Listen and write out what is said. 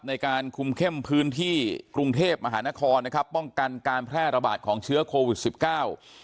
หานครนะครับป้องกันการแพร่ระบาดของเชื้อโควิดสิบเก้า